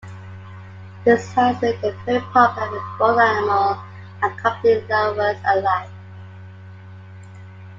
This has made them very popular with both animal and comedy lovers alike.